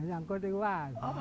ini nyangkut ini pak